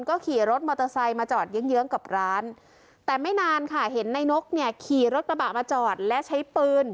ก็ขี่รถมอเตอร์ไซค์มาจอดเยื้องเยื้องกับร้านแต่ไม่นานค่ะเห็นนายนกเนี่ยขี่รถกระบะมาจอดและใช้ปืน